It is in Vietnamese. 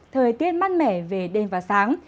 thời tiết mát mẻ về đêm và sáng